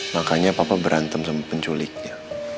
makanya papa berantem sama penculiknya